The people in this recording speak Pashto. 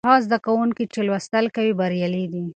هغه زده کوونکي چې لوستل کوي بریالي دي.